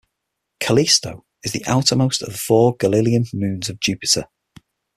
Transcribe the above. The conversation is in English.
Callisto is the outermost of the four Galilean moons of Jupiter.